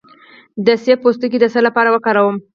د مڼې پوستکی د څه لپاره وکاروم؟